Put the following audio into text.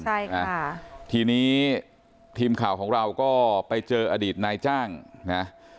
ใช่ค่ะทีนี้ทีมข่าวของเราก็ไปเจออดีตนายจ้างนะ